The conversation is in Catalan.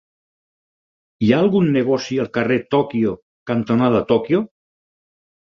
Hi ha algun negoci al carrer Tòquio cantonada Tòquio?